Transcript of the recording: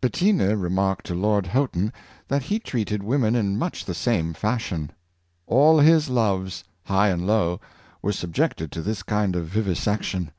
Bettina remarked to Lord Houghton that he treated women in much the same fashion. All his loves, high and low, were subjected to this kind of vivisection.